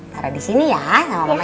taruh di sini ya sama mama ya